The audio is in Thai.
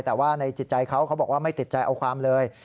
แต่ว่าในจิตใจเขาเขาบอกว่าไม่ติดใจเอาความเลย